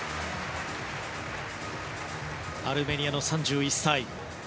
アルメニアの３１歳。